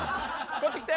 こっち来て！